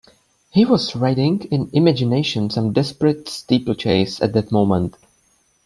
He was riding, in imagination, some desperate steeplechase at that moment.